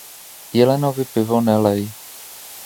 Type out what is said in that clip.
Jelenovi pivo nelej.